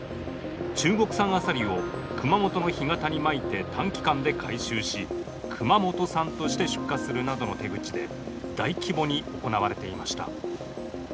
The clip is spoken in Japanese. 中国産あさりを熊本の干潟にまいて短期間で回収し熊本産として出荷するなどの手口で大規模に行われていました。